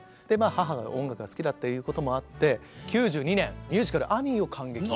母が音楽が好きだということもあって９２年ミュージカル「アニー」を観劇。